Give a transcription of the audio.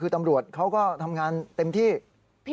คือตำรวจเขาก็ทำงานเต็มที่